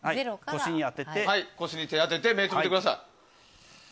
腰に手を当てて目をつぶってください。